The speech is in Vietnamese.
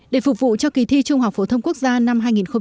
để phục vụ cho kỳ thi trung học phổ thông quốc gia năm hai nghìn một mươi chín